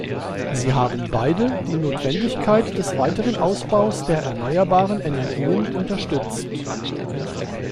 Sie haben beide die Notwendigkeit des weiteren Ausbaus der erneuerbaren Energien unterstützt.